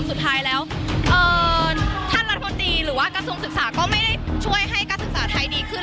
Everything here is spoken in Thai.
สุดท้ายแล้วท่านรัฐมนตรีหรือว่ากระทรวงศึกษาก็ไม่ได้ช่วยให้การศึกษาไทยดีขึ้น